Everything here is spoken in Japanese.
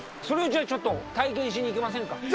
それをちょっと体験しに行きませんか。